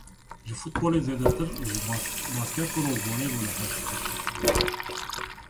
Ji futbolê zêdetir, ji bastekbol û voleybolê hez dikir.